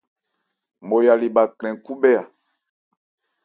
Nmɔya le bha krɛn khúbhɛ́ a.